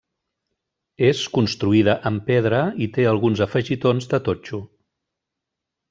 És construïda amb pedra i té alguns afegitons de totxo.